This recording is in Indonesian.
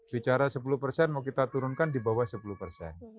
bicara sepuluh persen mau kita turunkan di bawah sepuluh persen